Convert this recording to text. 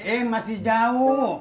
im masih jauh